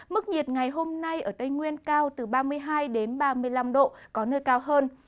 mức nhiệt ngày hôm nay ở tây nguyên cao từ ba mươi hai đến ba mươi năm độ có nơi cao hơn